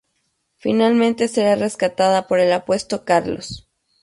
Finalmente será rescatada por el apuesto Carlos.